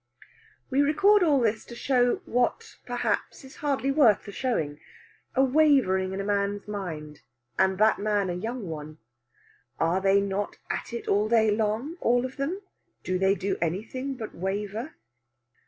We record all this to show what, perhaps, is hardly worth the showing a wavering in a man's mind, and that man a young one. Are they not at it all day long, all of them? Do they do anything but waver?